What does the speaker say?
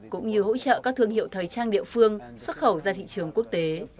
cũng như hỗ trợ các thương hiệu thời trang địa phương xuất khẩu ra thị trường quốc tế